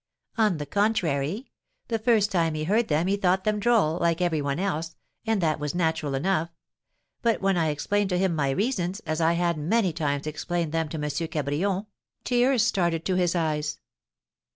"On the contrary, the first time he heard them he thought them droll, like every one else, and that was natural enough. But when I explained to him my reasons, as I had many times explained them to M. Cabrion, tears started to his eyes.